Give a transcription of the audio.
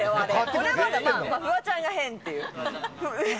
これはフワちゃんが変っていう。